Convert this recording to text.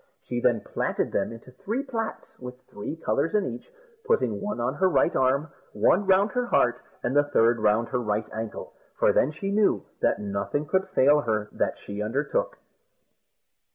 She then platted them into three plats with three colours in each, putting one on her right arm, one round her heart, and the third round her right ankle, for then she knew that nothing could fail with her that she undertook.